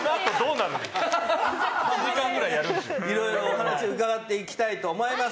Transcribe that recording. いろいろお話伺っていきたいと思います。